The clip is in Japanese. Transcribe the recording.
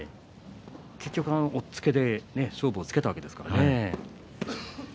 結局、押っつけで勝負をつけたわけですからね。